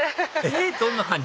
えっどんな感じ？